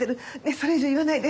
それ以上言わないで。